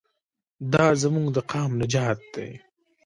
دا زموږ د قام نجات دی.